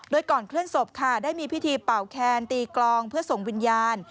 โดยก่อนเคลื่อนศพค่ะได้มีพิธีเป่าแคนตีกลองเพื่อส่งวิญญาณ